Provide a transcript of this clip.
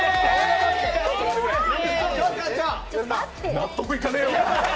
納得いかねぇよ。